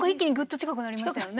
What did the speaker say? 近くなりましたね。